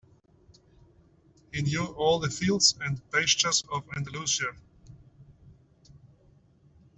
He knew all the fields and pastures of Andalusia.